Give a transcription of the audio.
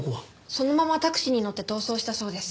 そのままタクシーに乗って逃走したそうです。